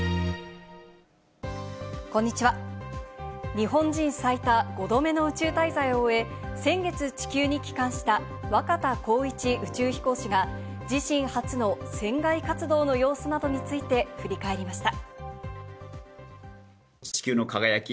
日本人最多５度目の宇宙滞在を終え、先月、地球に帰還した若田光一宇宙飛行士が、自身初の船外活動の様子などについて振り返りました。